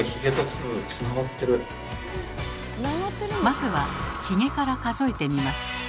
まずはヒゲから数えてみます。